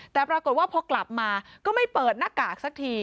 แต่ปรากฏว่าพอกลับมาก็ไม่เปิดหน้ากากสักที